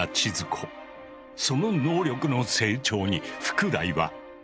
その能力の成長に福来は。